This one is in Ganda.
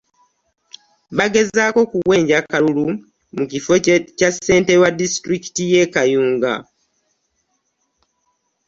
Bagezaako kuwenja kalulu ku kifo kya Ssentebe wa disitulikiti y'e Kayunga.